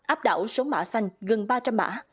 áp đảo số mã xanh gần ba trăm linh mã